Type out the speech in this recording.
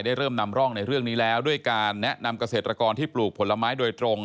เริ่มนำร่องในเรื่องนี้แล้วด้วยการแนะนำเกษตรกรที่ปลูกผลไม้โดยตรง